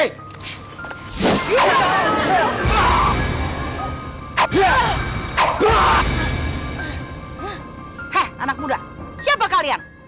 hehehe anak muda siapa kalian